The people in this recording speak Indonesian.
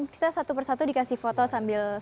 kita satu persatu dikasih foto sambil